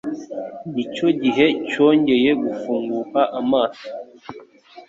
Nicyo gihe cyongeye gufunguka amaso .